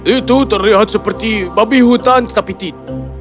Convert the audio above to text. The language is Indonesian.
itu terlihat seperti babi hutan kapitin